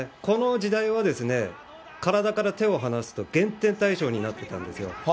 この時代は、体から手を離すと減点対象になってたんですよ。